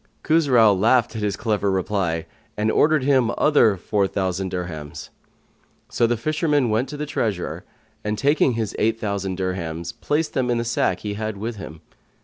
Khusrau laughed at his clever reply and ordered him other four thousand dirhams. So the fisherman went to the treasurer and, taking his eight thousand dirhams, put them in a sack he had with him.